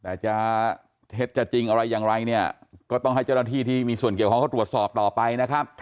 แต่จะเท็จจะจริงอะไรอย่างไรเนี่ยก็ต้องให้เจ้าหน้าที่ที่มีส่วนเกี่ยวข้องเขาตรวจสอบต่อไปนะครับ